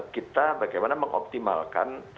kita bagaimana mengoptimalkan